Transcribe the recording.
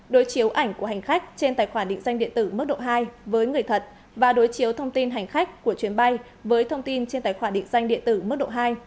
đối chiếu ảnh của hành khách trên tài khoản định danh điện tử mức độ hai với người thật và đối chiếu thông tin hành khách của chuyến bay với thông tin trên tài khoản định danh điện tử mức độ hai